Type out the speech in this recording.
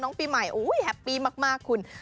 น้องปีใหม่อุ้ยมากคุณ